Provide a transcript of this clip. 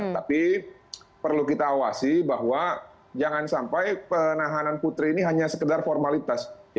tapi perlu kita awasi bahwa jangan sampai penahanan putri ini hanya sekedar formalitas